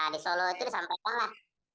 di solo itu disampaikanlah